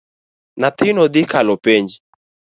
Nyathino dhi kalo penj.